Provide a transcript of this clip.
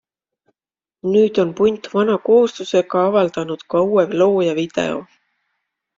Nüüd on punt vana kooslusega avaldanud ka uue loo ja video.